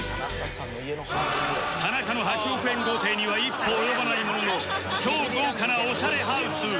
田中の８億円豪邸には一歩及ばないものの超豪華なオシャレハウス！